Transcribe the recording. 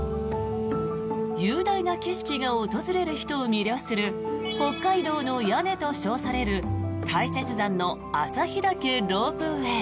雄大な景色が訪れる人を魅了する北海道の屋根と称される大雪山の旭岳ロープウェイ。